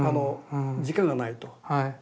時間がないと。